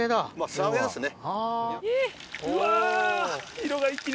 素揚げですね。